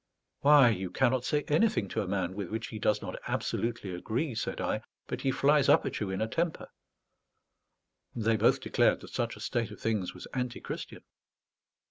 "Why, you cannot say anything to a man with which he does not absolutely agree," said I, "but he flies up at you in a temper." They both declared that such a state of things was antichristian.